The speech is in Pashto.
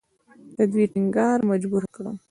د دوی ټینګار مجبوره کړم.